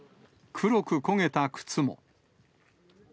黒く焦げた靴も。